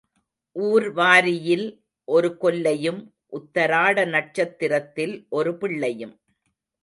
ஊர் வாரியில் ஒரு கொல்லையும் உத்தராட நட்சத்திரத்தில் ஒரு பிள்ளையும்.